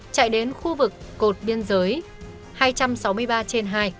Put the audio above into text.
chạy đến khu vực cột biên giới hai trăm sáu mươi ba trên hai